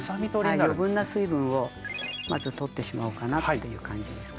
はい余分な水分をまず取ってしまおうかなっていう感じですかね。